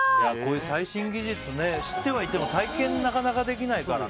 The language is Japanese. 最新技術、知ってはいても体験なかなかできないからね。